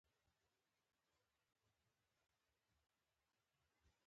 ځکه هر څه چې په ذهن کې ورځي ويلى يې شي.